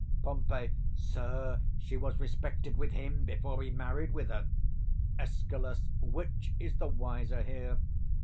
160 Pom. Sir, she was respected with him before he married with her. Escal. Which is the wiser here?